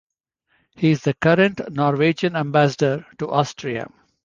He is the current Norwegian ambassador to Austria.